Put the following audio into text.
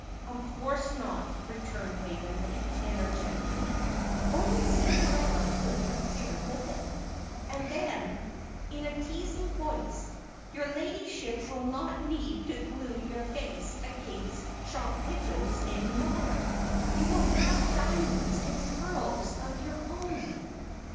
"Of course not," returned Waveney, energetically; "only Cinderella could compare with it." And then, in a teasing voice, "Your ladyship will not need to glue your face against shop windows any more. You will have diamonds and pearls of your own."